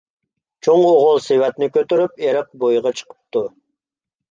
چوڭ ئوغۇل سېۋەتنى كۆتۈرۈپ ئېرىق بويىغا چىقىپتۇ،